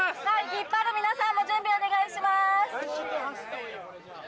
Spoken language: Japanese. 引っ張る皆さんも準備お願いします